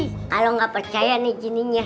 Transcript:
kalau nggak percaya nih gininya